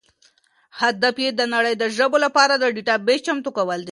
هدف یې د نړۍ د ژبو لپاره د ډیټابیس چمتو کول دي.